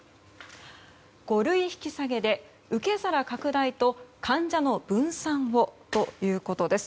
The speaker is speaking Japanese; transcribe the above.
五類引き下げで受け皿拡大と患者の分散をということです。